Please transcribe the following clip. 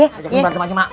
ajakin belanceng lagi mak